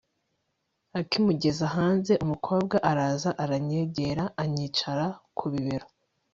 akimujyeza hanze umukobwa araza aranyegera anyicara kubibero